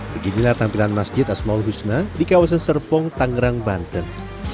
beginilah tampilan masjid asma ul husna di kawasan serpong tangerang banten